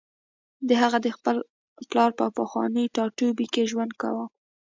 هغه د خپل پلار په پخواني ټاټوبي کې ژوند کاوه